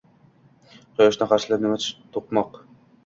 Quyoshni qarshilab nimcha toʼqimoq.